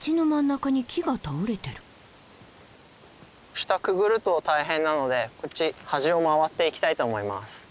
下くぐると大変なのでこっち端を回って行きたいと思います。